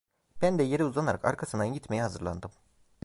Ben de yere uzanarak arkasından gitmeye hazırlandım.